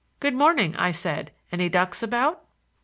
"Good morning!" I said. "Any ducks about?"